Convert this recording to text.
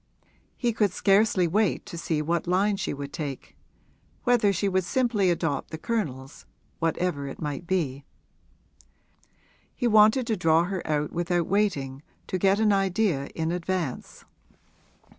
He could scarcely wait to see what line she would take; whether she would simply adopt the Colonel's, whatever it might be. He wanted to draw her out without waiting, to get an idea in advance.